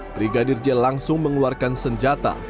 brigadir j langsung mengeluarkan senjata